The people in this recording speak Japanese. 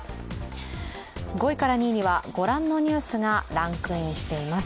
５位から２位にはご覧のニュースがランクインしています。